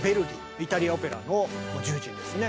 イタリアオペラのもう重鎮ですね。